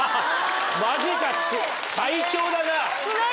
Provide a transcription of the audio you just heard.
マジか最強だな。